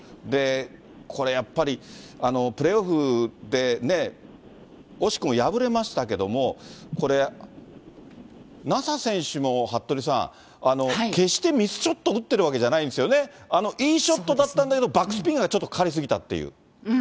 これ、やっぱりプレーオフでね、惜しくも敗れましたけども、これ、奈紗選手も服部さん、決してミスショット打ってるわけじゃないんですよね、いいショットだったんだけど、バックスピンがちょっとかかり過ぎたという。